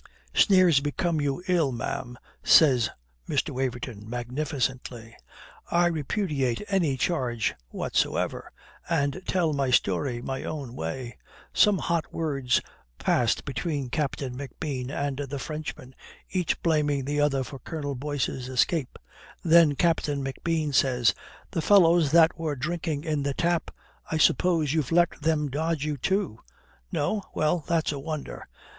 "Sneers become you ill, ma'am," says Mr. Waverton magnificently. "I repudiate any charge whatsoever; and tell my story my own way. Some hot words passed between Captain McBean and the Frenchman, each blaming the other for Colonel Boyce's escape. Then Captain McBean says 'The fellows that were drinking in the tap, I suppose you've let them dodge you too? No? Well, that's a wonder.